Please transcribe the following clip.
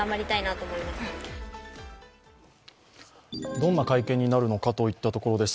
どんな会見になるのかといったところです。